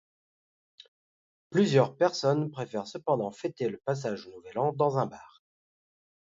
Plusieurs personnes préfèrent cependant fêter le passage au nouvel an dans un bar.